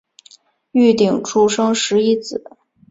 玉鼎柱生十一子。